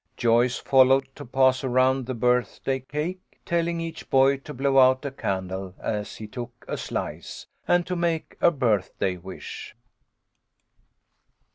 Joyce fol lowed to pass around the birthday cake, telling each boy to blow out a candle as he took a slice, and to make a birthday wish.